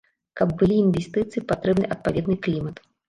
Каб былі інвестыцыі, патрэбны адпаведны клімат.